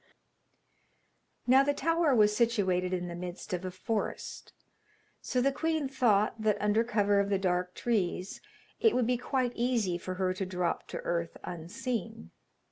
Now the tower was situated in the midst of a forest, so the queen thought that, under cover of the dark trees, it would be quite easy for her to drop to earth unseen.